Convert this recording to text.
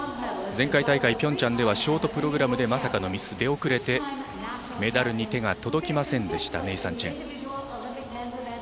前回大会ピョンチャンではショートプログラムでまさかのミス出遅れてメダルに手が届きませんでしたネイサン・チェン。